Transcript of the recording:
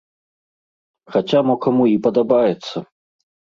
Хаця мо каму і падабаецца.